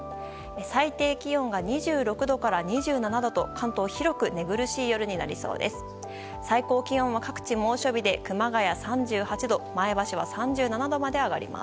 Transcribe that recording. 最低気温が２６度から２７度と関東広く寝苦しい夜になりそうです。